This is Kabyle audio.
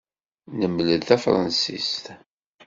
Nemled tafṛansist.